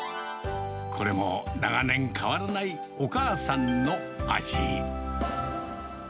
これも長年変わらないお母さんの味。